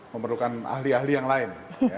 memerlukan ahli ahli yang lain